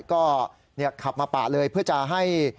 ก็เนี่ยขับมาปาดเลยเพื่อจะให้